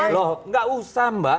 loh tidak usah mbak